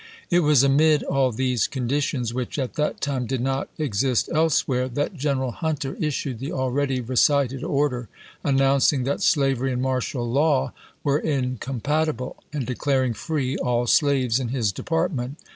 It was amid 1862. all these conditions, which at that time did not exist elsewhere, that Greneral Hunter issued the already recited order announcing that slavery and martial law were incompatible, and declaring free all slaves in his department.